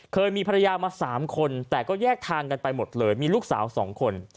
เคยมีภรรยามา๓คนแต่ก็แยกทางกันไปหมดเลยมีลูกสาว๒คน